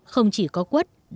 không chỉ có quất đá